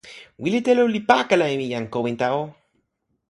wile telo li pakala e mi, jan Kowinta o!